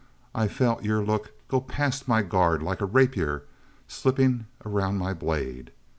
I felt your look go past my guard like a rapier slipping around my blade.